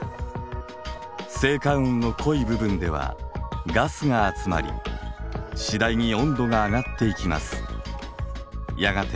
星間雲の濃い部分ではガスが集まり次第に温度が上がっていきます。